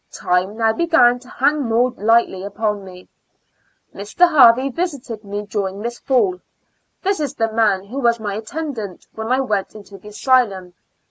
Time now began to hang more lightly upon me. Mr. Harvey visited me during this fall, this is the man who was my attendant, when I went to the asylum.